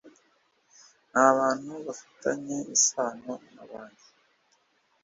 n abantu bafitanye isano na banki